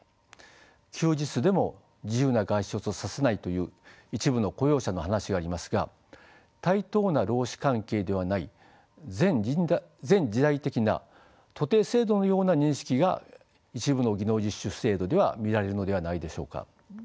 休日でも自由な外出をさせないという一部の雇用者の話がありますが対等な労使関係ではない前時代的な徒弟制度のような認識が一部の技能実習制度では見られるのではないでしょうか。